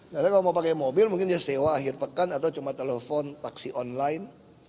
karena kalau mau pakai mobil mungkin dia sewa akhir pekan atau cuma telepon taksi online